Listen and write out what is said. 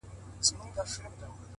زه به د خال او خط خبري كوم،